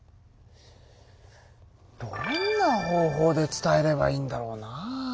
どんな方法で伝えればいいんだろうな？